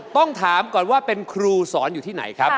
ต้องถามก่อนว่าเป็นครูสอนอยู่ที่ไหนครับ